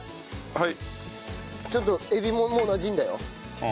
はい。